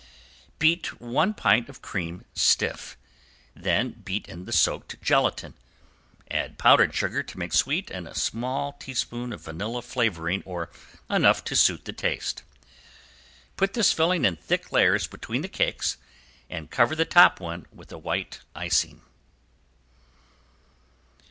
Beat one pint of cream stiff, then beat in the soaked gelatin, add powdered sugar to make sweet and a small teaspoon vanilla flavoring or enough to suit the taste. Put this filling in thick layers between the cakes and cover the top one with a white icing.